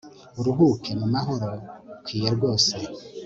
uruhuke mumahoro ukwiye rwose